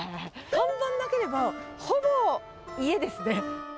看板なければ、ほぼ家ですね。